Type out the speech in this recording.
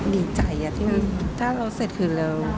ดีใจอ่ะถ้าเราเสร็จคือ